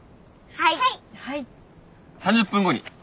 はい。